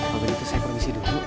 mungkin itu saya permisi dulu